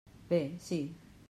Bé, sí.